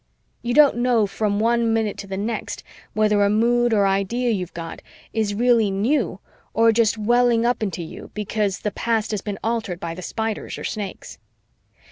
You don't know from one minute to the next whether a mood or idea you've got is really new or just welling up into you because the past has been altered by the Spiders or Snakes.